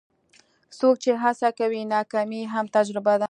څوک چې هڅه کوي، ناکامي یې هم تجربه ده.